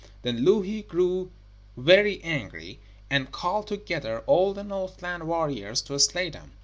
Then Louhi grew very angry and called together all the Northland warriors to slay them.